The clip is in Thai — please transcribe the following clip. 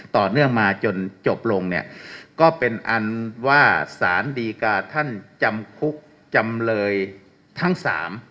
ต่อเนื่องมาจนจบลงเนี่ยก็เป็นอันว่าสารดีกาท่านจำคุกจำเลยทั้งสาม